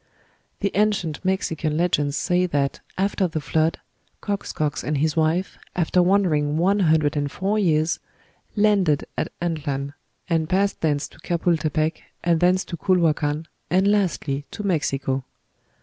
The ancient Mexican legends say that, after the Flood, Coxcox and his wife, after wandering one hundred and four years, landed at Antlan, and passed thence to Capultepec, and thence to Culhuacan, and lastly to Mexico.